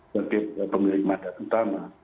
sebagai pemilik mandat utama